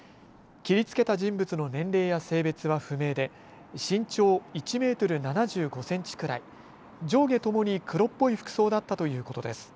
切りつけた人物の年齢や性別は不明で身長１メートル７５センチくらい上下ともに黒っぽい服装だったということです。